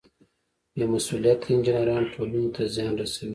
بې مسؤلیته انجینران ټولنې ته زیان رسوي.